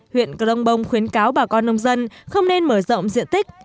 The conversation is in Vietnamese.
huyện cờ đông bông khuyến cáo bà con nông dân không nên mở rộng diện tích